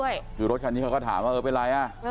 คือรถคันนี้เขาก็ถามว่าเออเป็นไรอ่ะ